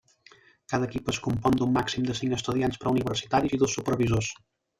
Cada equip es compon d'un màxim de cinc estudiants preuniversitaris i dos supervisors.